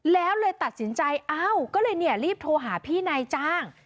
แล้วเลยตัดสินใจเอ้าก็เลยเนี่ยรีบโทรหาพี่นายจ้าง